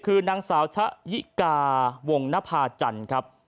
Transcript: คือนางสาวชะยิกาวงนภาจันทร์ครับ